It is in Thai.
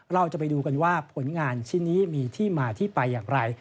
เราจะไปดูกันว่าผลงานชิ้นนี้มีที่มาที่ไปอย่างไร